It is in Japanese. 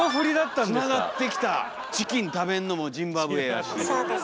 チキン食べんのもジンバブエやし。